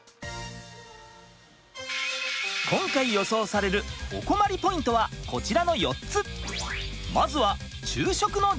今回予想されるお困りポイントはこちらの４つ。